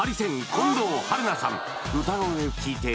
近藤春菜さん